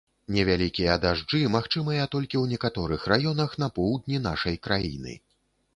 Невялікія дажджы магчымыя толькі ў некаторых раёнах на поўдні нашай краіны.